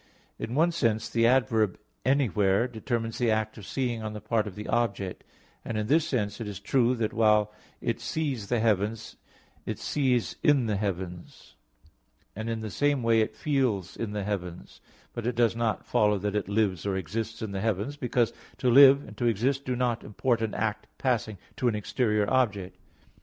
In one sense the adverb "anywhere" determines the act of seeing on the part of the object; and in this sense it is true that while it sees the heavens, it sees in the heavens; and in the same way it feels in the heavens; but it does not follow that it lives or exists in the heavens, because to live and to exist do not import an act passing to an exterior object.